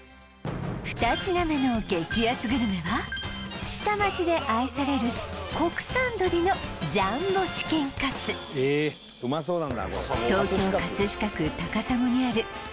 ２品目の激安グルメは下町で愛される国産鶏のジャンボチキンカツいい名前だねいい名前ですね